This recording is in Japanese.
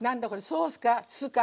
ソースか酢か。